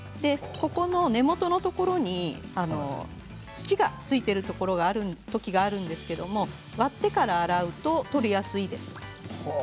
根元のところに土が付いているときがあるんですけど割ってから洗うと取りやすいです。